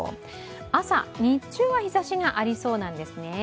朝、日中は日差しがありそうなんですね。